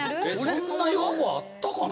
そんな用語あったかな？